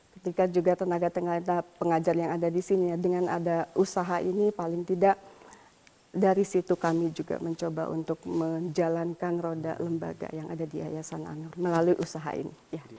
ketika juga tenaga tenaga pengajar yang ada di sini ya dengan ada usaha ini paling tidak dari situ kami juga mencoba untuk menjalankan roda lembaga yang ada di yayasan anur melalui usaha ini